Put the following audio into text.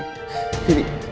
kamu harus bertahan riri